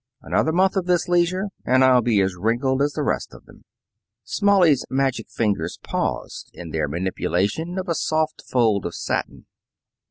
"Another month of this leisure and I'll be as wrinkled as the rest of them." Smalley's magic fingers paused in their manipulation of a soft fold of satin.